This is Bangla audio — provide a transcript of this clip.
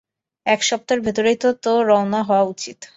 এক সপ্তাহের ভেতরই তো রওনা হওয়া উচিত?